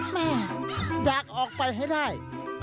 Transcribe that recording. แม่อยากออกไปให้ได้